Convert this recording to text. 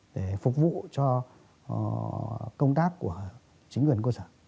để phục vụ cho công tác của chính quyền cơ sở